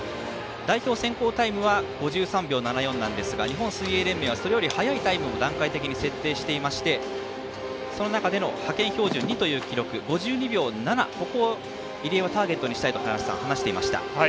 代表選考タイムは５３秒７４なんですが日本水泳連盟はそれより早いタイムを段階的に設定していましてその中での派遣標準２という記録４２秒７、ここを入江はターゲットにしたいと話していました。